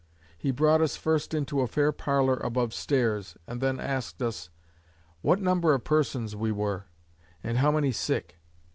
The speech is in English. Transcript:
He brought us first into a fair parlour above stairs, and then asked us, "What number of persons we were? And how many sick?"